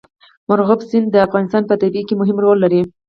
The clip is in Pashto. مورغاب سیند د افغانستان په طبیعت کې مهم رول لري.